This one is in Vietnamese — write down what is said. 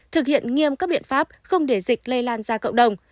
thực hiện nghiêm các biện pháp không để dịch lây lan ra cộng đồng